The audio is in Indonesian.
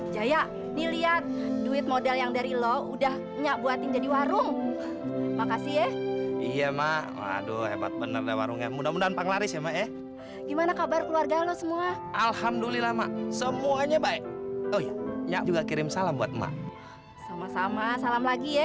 jaya nih lihat duit model yang dari lo udahnya buatin jadi warung makasih ya iya ma waduh hebat bener warungnya mudah mudahan panglaris ema eh gimana kabar keluarga lo semua alhamdulillah ma semuanya baik oh ya juga kirim salam buat ma sama sama salam lagi ya